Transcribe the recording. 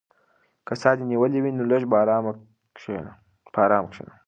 که ساه دې نیولې وي نو لږ په ارامه کښېنه.